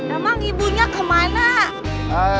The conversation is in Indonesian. emang ibunya ke mana